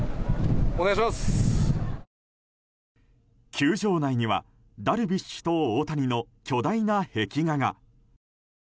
球場内にはダルビッシュと大谷の巨大な壁画が。